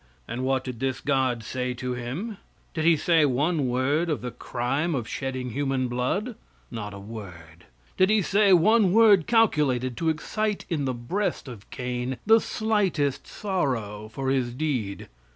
And what did this God say to him? Did He say one word of the crime of shedding human blood? Not a word. Did He say one word calculated to excite in the breast of Cain the slightest real sorrow for his deed?